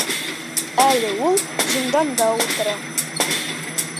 Әле ул зинданда ултыра.